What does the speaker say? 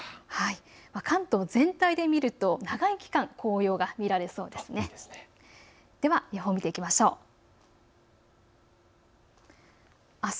関東全体で見ると長い期間、紅葉が見られそうです。